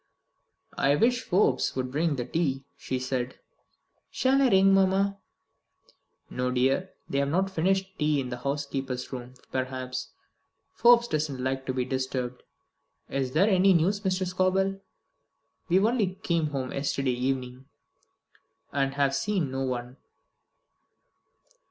"I wish Forbes would bring the tea," she said. "Shall I ring, mamma?" "No, dear. They have not finished tea in the housekeeper's room, perhaps. Forbes doesn't like to be disturbed. Is there any news, Mr. Scobel? We only came home yesterday evening, and have seen no one."